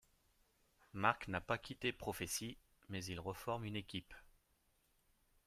Mark n'a pas quitté Prophecy, mais ils reforment une équipe.